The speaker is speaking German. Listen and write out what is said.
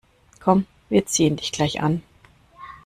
Komm, wir ziehen dich gleich an.